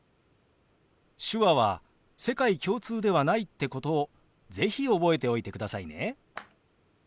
手話は世界共通ではないってことを是非覚えておいてくださいね。